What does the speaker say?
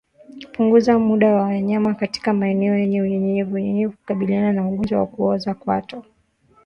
Punguza muda wa wanyama katika maeneo yenye unyevunyevu kukabiliana na ugonjwa wa kuoza kwato